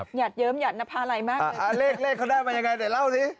หัดเยิ้มหยัดนภาลัยมากหาเลขเลขเขาได้มายังไงเดี๋ยวเล่าสิ